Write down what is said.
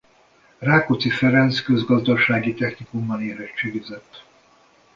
Rákóczi Ferenc Közgazdasági Technikumban érettségizett.